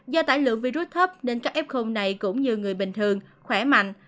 do tải lượng virus thấp nên các f này cũng như người bình thường khỏe mạnh